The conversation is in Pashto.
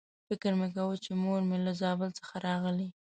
فکر مې کاوه چې مور مې له زابل څخه راغلې.